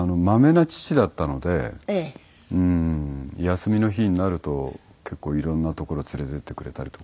休みの日になると結構いろんな所連れていってくれたりとか。